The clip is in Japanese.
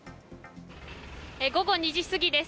午後２時過ぎです。